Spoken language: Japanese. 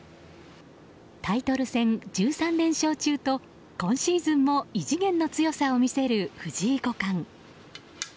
タイトル戦１３連勝中と今シーズンも異次元の強さを見せる藤井五冠。